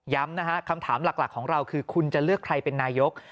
นะฮะคำถามหลักของเราคือคุณจะเลือกใครเป็นนายก